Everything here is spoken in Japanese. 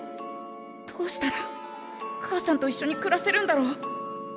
どうしたら母さんといっしょに暮らせるんだろう？